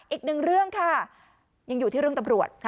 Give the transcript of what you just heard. อีกหนึ่งเรื่องค่ะยังอยู่ที่เรื่องตำรวจ